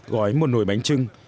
gói một nồi bánh trưng